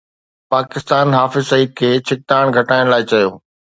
پاڪستان حافظ سعيد کي ڇڪتاڻ گهٽائڻ لاءِ چيو